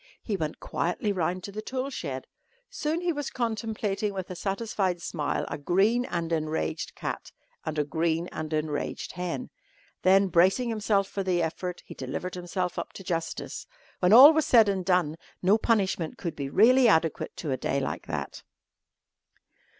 He went quietly round to the tool shed. Soon he was contemplating with a satisfied smile a green and enraged cat and a green and enraged hen. Then, bracing himself for the effort, he delivered himself up to justice. When all was said and done no punishment could be really adequate to a day like that.